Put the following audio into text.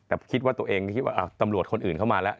แต่คิดว่าตัวเองคิดว่าตำรวจคนอื่นเข้ามาแล้ว